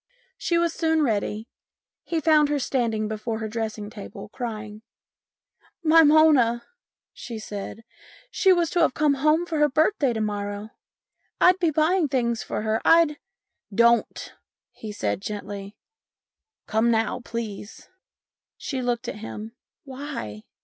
She was soon ready. He found her standing before her dressing table, crying. " My Mona !" she said, " she was to have come home for her birthday to morrow. I'd been buy ing things for her. I'd "" Don't !" he said gently. " Come now, please." She looked at him. " Why